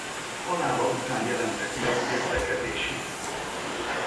Halála után jelentek meg értekezési.